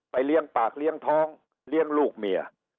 เลี้ยงปากเลี้ยงท้องเลี้ยงลูกเมีย